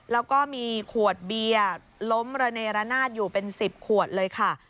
แล้วก็มีขวดเบียร์ล้มระเนรนาศอยู่เป็น๑๐ขวดเลยค่ะ